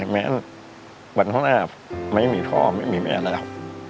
แม้วันข้างหน้าไม่มีท่อไม่มีแม่แล้ว